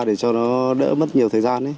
để cho nó đỡ mất nhiều thời gian